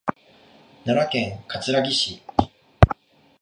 奈良県葛城市